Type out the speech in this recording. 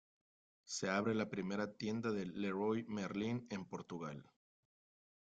Se abre la primera tienda de Leroy Merlin en Portugal.